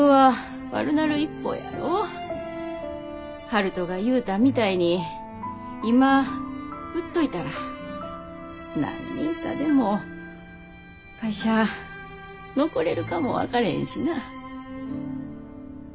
悠人が言うたみたいに今売っといたら何人かでも会社残れるかも分かれへんしな。